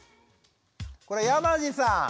これ山地さん。